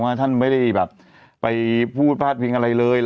ว่าท่านไม่ได้ไปพูดภาษาฟิงอะไรเลย